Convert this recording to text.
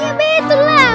iya betul lah